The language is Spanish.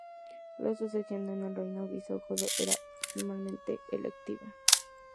La sucesión en el reino visigodo era formalmente electiva.